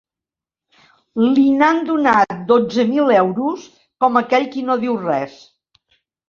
Li n'han donat dotze mil euros, com aquell qui no diu res!